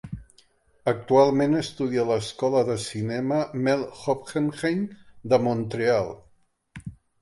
Actualment estudia a l'Escola de Cinema Mel Hoppenheim de Mont-real.